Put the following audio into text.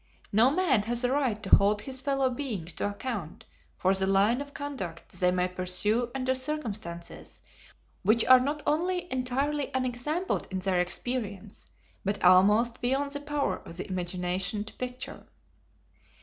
No man has a right to hold his fellow beings to account for the line of conduct they may pursue under circumstances which are not only entirely unexampled in their experience, but almost beyond the power of the imagination to picture.